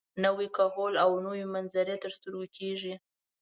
نوی کهول او نوې منظرې تر سترګو کېږي.